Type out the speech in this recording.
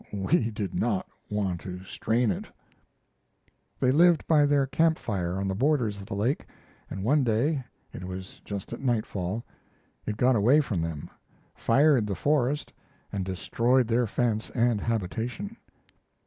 We did not wish to strain it." They lived by their camp fire on the borders of the lake, and one day it was just at nightfall it got away from them, fired the forest, and destroyed their fence and habitation.